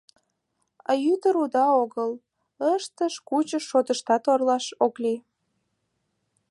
А ӱдыр уда огыл, ыштыш-кучыш шотыштат орлаш ок лий.